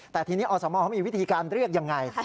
แต่ทีนี้อสมเขามีวิธีการเรียกยังไง